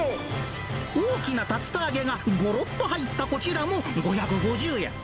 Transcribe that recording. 大きな竜田揚げがごろっと入ったこちらも５５０円。